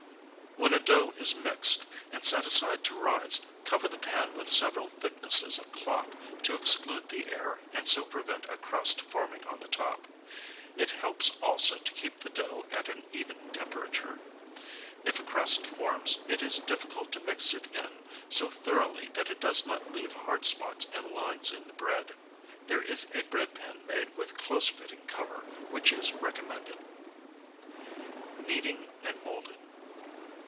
] When a dough is mixed and set aside to rise, cover the pan with several thicknesses of cloth to exclude the air and so prevent a crust forming on the top. It helps also to keep the dough at an even temperature. If a crust forms it is difficult to mix it in so thoroughly that it does not leave hard spots and lines in the bread. There is a bread pan made with close fitting cover, which is recommended. [Sidenote: Kneading and molding.